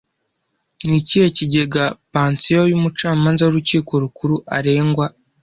Ni ikihe kigega pansiyo y'umucamanza w'Urukiko Rukuru aregwa